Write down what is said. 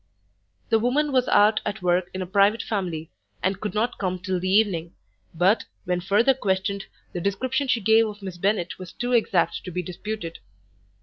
The woman was out at work in a private family, and could not come till the evening: but, when further questioned, the description she gave of Miss Bennet was too exact to be disputed.